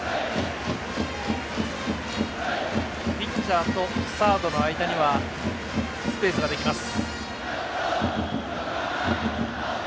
ピッチャーとサードの間にはスペースができます。